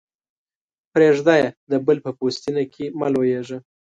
پرېږده يې؛ د بل په پوستينه کې مه لویېږه.